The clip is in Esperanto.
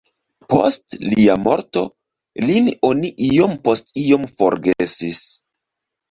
Post lia morto, lin oni iom post iom forgesis.